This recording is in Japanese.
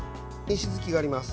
石突きがあります。